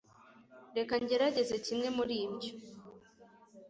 reka ngerageze kimwe muri ibyo